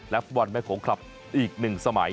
ฟุตบอลแม่โขงคลับอีก๑สมัย